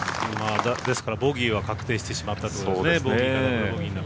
ですからボギーは確定してしまったという。